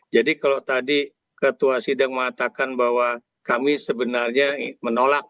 jadi kalau tadi ketua sidang mengatakan bahwa kami sebenarnya menolak